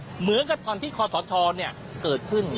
เหมือนกับตอนที่คอสชเกิดขึ้น